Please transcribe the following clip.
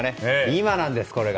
今なんです、これが。